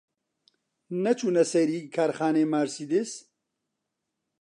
نەچوونە سەیری کارخانەی مارسیدس؟